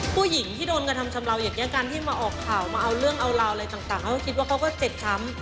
ผู้หญิงที่โดนกระทำชำเลาอย่างนี้การที่มาออกข่าวมาเอาเรื่องเอาราวอะไรต่างเขาก็คิดว่าเขาก็เจ็บช้ำ